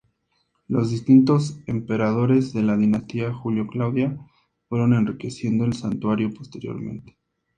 Los distintos emperadores de la dinastía Julio-Claudia fueron enriqueciendo el santuario posteriormente.